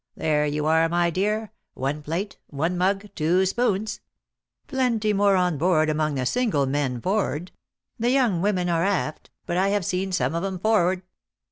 There you are, my dear — one plate, one mug, two spoons. Plenty more on board among the single men for'ard. The young women are aft, but I have seen some of 'em forward.